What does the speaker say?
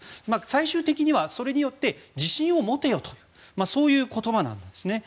最終的にはそれによって自信を持てよというそういう言葉なんですね。